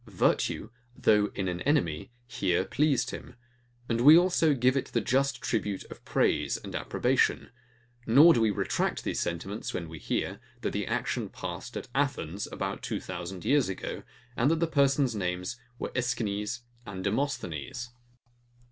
Virtue, though in an enemy, here pleased him: And we also give it the just tribute of praise and approbation; nor do we retract these sentiments, when we hear, that the action passed at Athens, about two thousand years ago, and that the persons' names were Eschines and Demosthenes.